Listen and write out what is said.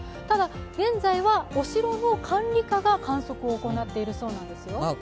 ただ現在はお城の管理課が観測を行っているそうですよ。